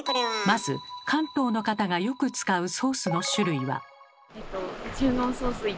まず関東の方がよく使うソースの種類は。